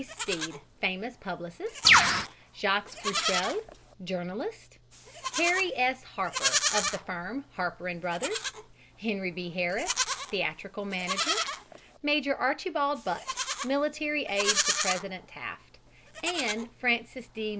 Stead. famous publicist; Jacques Futrelle, journalist; Henry S. Harper, of the firm of Harper & Bros.; Henry B. Harris, theatrical manager; Major Archibald Butt, military aide to President Taft; and Francis D.